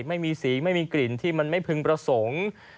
ไม่มีสีไม่มีกลิ่นที่มันไม่พึงประสงค์